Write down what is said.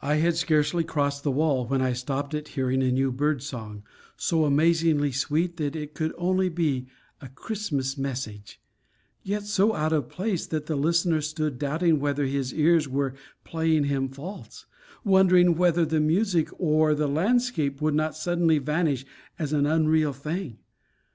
I had scarcely crossed the wall when I stopped at hearing a new bird song, so amazingly sweet that it could only be a Christmas message, yet so out of place that the listener stood doubting whether his ears were playing him false, wondering whether the music or the landscape would not suddenly vanish as an unreal thing.